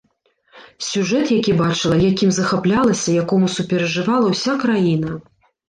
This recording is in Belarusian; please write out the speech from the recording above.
Сюжэт, які бачыла, якім захаплялася, якому суперажывала ўся краіна.